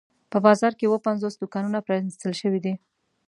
په بازار کې اووه پنځوس دوکانونه پرانیستل شوي دي.